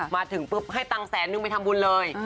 มาถึงปุ๊บให้ตังค์แสนนึงไปทำบุญเลย